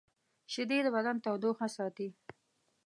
شیدې د بدن تودوخه ساتي